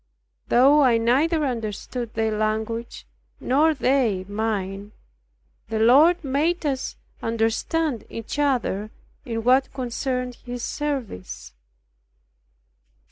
Though I neither understood their language nor they mine, the Lord made us understand each other in what concerned His service.